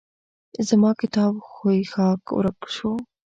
زما کتاب ښوی ښهاک ورک شو.